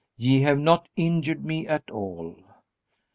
Ye have not injured me at all.